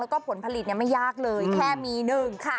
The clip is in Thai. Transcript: แล้วก็ผลผลิตไม่ยากเลยแค่มีหนึ่งค่ะ